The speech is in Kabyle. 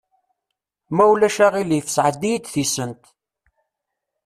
Ma ulac aɣilif sɛeddi-yi-d tisent.